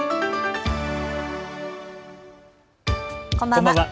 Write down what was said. こんばんは。